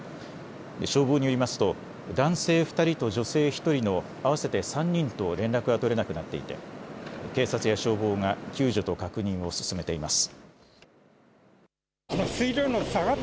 消防によりますと男性２人と女性１人の合わせて３人と連絡が取れなくなっていて警察や消防が救助と確認を進めています。